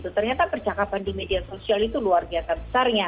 ternyata percakapan di media sosial itu luar biasa besarnya